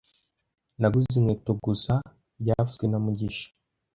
Naguze inkweto gusa byavuzwe na mugisha